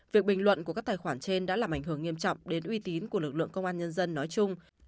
việc bình luận của các tài khoản trên đã làm ảnh hưởng nghiêm trọng đến uy tín của lực lượng công an nhân dân nói chung